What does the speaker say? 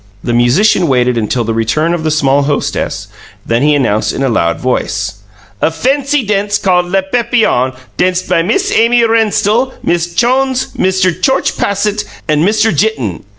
The musician waited until the return of the small hostess; then he announced in a loud voice: "A fency dence called 'Les Papillons', denced by Miss Amy Rennstul, Miss Chones, Mister Chorch Passett, ant Mister Jitten.